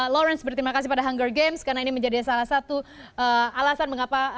lawrence berterima kasih pada hunger games karena ini menjadi salah satu alasan mengapa